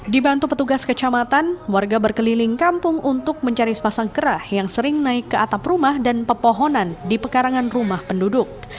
dibantu petugas kecamatan warga berkeliling kampung untuk mencari sepasang kerah yang sering naik ke atap rumah dan pepohonan di pekarangan rumah penduduk